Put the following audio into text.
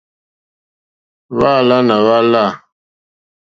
Hwáǎlánà hwá lâ.